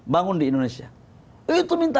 bangun di indonesia itu minta